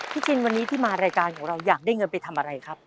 กินวันนี้ที่มารายการของเราอยากได้เงินไปทำอะไรครับ